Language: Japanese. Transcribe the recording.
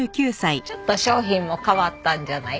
ちょっと商品も変わったんじゃない？